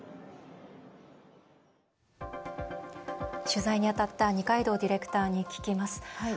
取材に当たった二階堂ディレクターに聞きます。